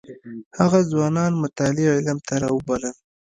هغه ځوانان مطالعې او علم ته راوبلل.